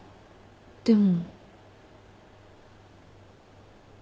でも。